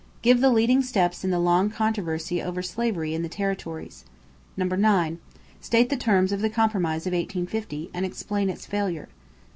Give the leading steps in the long controversy over slavery in the territories. 9. State the terms of the Compromise of 1850 and explain its failure.